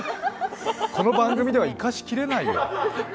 この番組では生かし切れないよ。